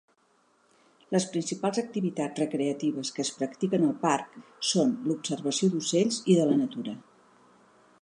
Les principals activitats recreatives que es practiquen al parc són l"observació d"ocells i de la natura.